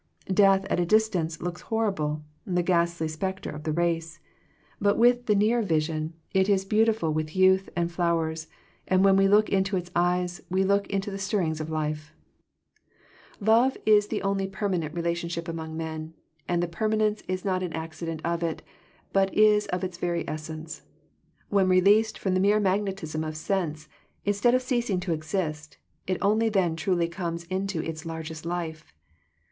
Death at a distance looks horrible, the ghastly spectre of the race; but with the near 130 Digitized by VjOOQIC THE ECLIPSE OF FRIENDSHIP vision it is beautiful with youth and flowers, and when we loolc into its eyes "we look into the stirrings of life. Love is the only permanent relation ship among men, and the permanence is not an accident of it, but is of its very essence. When released from the mere magnetism of sense, instead of ceasing to exist, it only then truly comes into its largest life.